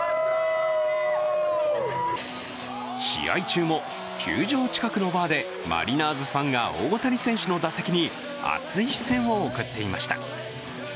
試合中も、球場近くのバーでマリナーズファンが大谷選手の打席に熱い視線を送っていました。